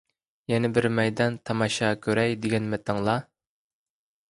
يەنە بىر مەيدان تاماشا كۆرەي دېگەنمىتىڭلار؟